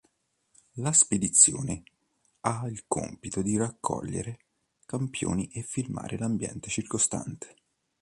La spedizione ha il compito di raccogliere campioni e filmare l'ambiente circostante.